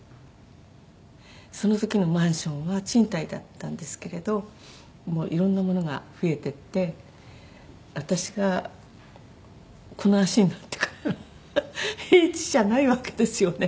その時のマンションは賃貸だったんですけれどいろんな物が増えていって私がこの足になってから平地じゃないわけですよね。